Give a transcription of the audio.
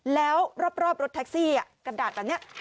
แล้วรอบรถแท็กซี่อะกระดาษตรงเนี่ย